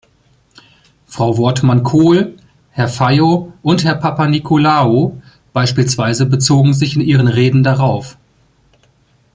Frau Wortmann-Kool, Herr Feio und Herr Papanikolaou beispielsweise bezogen sich in ihren Reden darauf.